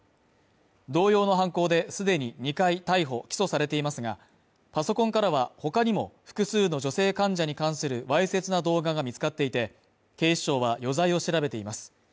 同様の犯行で既に２回逮捕・起訴されていますがパソコンからはほかにも複数の女性患者に関するわいせつな動画が見つかっていて、警視庁は余罪を調べています。